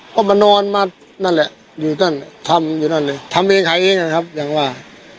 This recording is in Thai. ก็มานอนมานั่นแหละอยู่นั่นทำอยู่นั่นเลยทำเองขายเองนะครับอย่างว่า